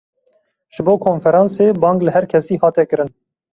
Ji bo konferansê, bang li herkesî hate kirin